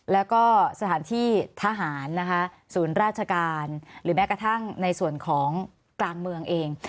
แล้วก็สถานที่ทหารนะคะศูนย์ราชการหรือแม้กระทั่งในส่วนของกลางเมืองเอง